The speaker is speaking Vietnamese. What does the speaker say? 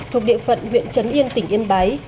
thuộc địa phận huyện trấn yên tỉnh yên bái